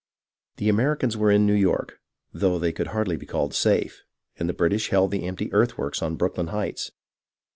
The Americans were in New York, though they could hardly be called "safe," and the British held the empty earthworks on Brooklyn Heights.